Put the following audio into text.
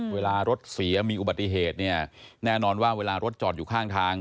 เวลารถเสียมีอุบัติเหตุเนี่ยแน่นอนว่าเวลารถจอดอยู่ข้างทาง